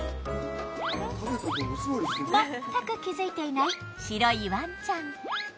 まったく気づいていない白いワンちゃん。